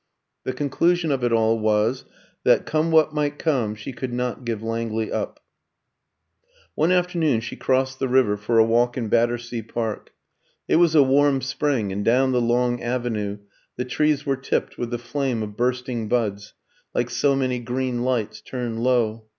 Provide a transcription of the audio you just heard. The conclusion of it all was that, come what might come, she could not give Langley up. One afternoon she crossed the river for a walk in Battersea Park. It was a warm spring, and down the long avenue the trees were tipped with the flame of bursting buds, like so many green lights turned low.